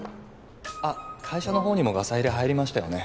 あっ会社の方にもガサ入れ入りましたよね？